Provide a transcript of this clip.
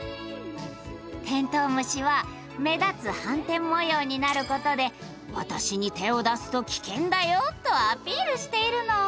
テントウムシは「目立つはんてん模様」になることで「私に手を出すとキケンだよ！」とアピールしているの。